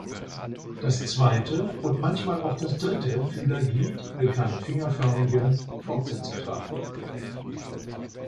Das zweite und manchmal auch das dritte Fühlerglied kann fingerförmige Fortsätze tragen.